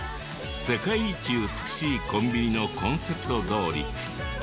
世界一美しいコンビニのコンセプトどおり